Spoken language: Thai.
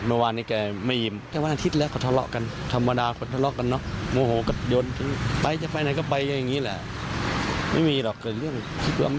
เมื่อวานนี้แกไม่ยิ้ม